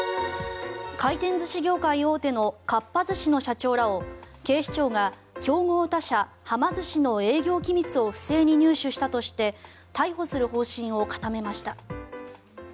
回転寿司業界大手のかっぱ寿司の社長らを警視庁が競合他社、はま寿司の営業機密を不正に入手したとして逮捕する方針を固めました。